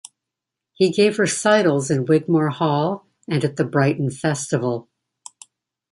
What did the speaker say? He gave recitals in Wigmore Hall and at the Brighton Festival.